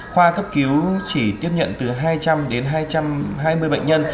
khoa cấp cứu chỉ tiếp nhận từ hai trăm linh đến hai trăm hai mươi bệnh nhân